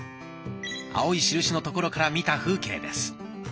青い印の所から見た風景です。